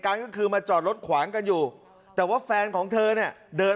ก็คือมาจอดรถขวางกันอยู่แต่ว่าแฟนของเธอเนี่ยเดิน